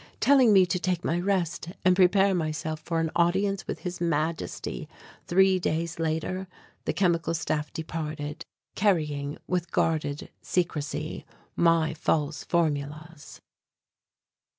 Telling me to take my rest and prepare myself for an audience with His Majesty three days later, the Chemical Staff departed, carrying, with guarded secrecy, my false formulas.